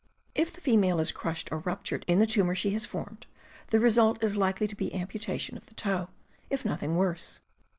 If the female is crushed or ruptured in the tumor she has formed, the result is likely to be amputation of the toe, if nothing worse.